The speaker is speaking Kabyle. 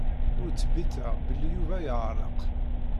Ul tbiteɣ belli Yuba yeɛrek.